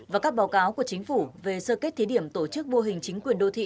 và các báo cáo của chính phủ về sơ kết thí điểm tổ chức mô hình chính quyền đô thị